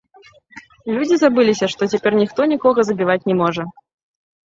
Людзі забыліся, што цяпер ніхто нікога забіваць не можа.